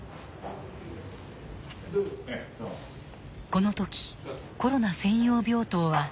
この時コロナ専用病棟は既に満床。